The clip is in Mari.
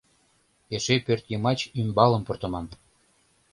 Эше пӧртйымач ӱмбалым пуртыман.